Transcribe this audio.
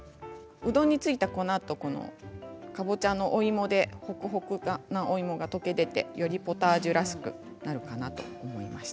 ほうとうについた粉とかぼちゃのお芋でホクホクのお芋が溶け出てよりポタージュらしくなるかなと思いました。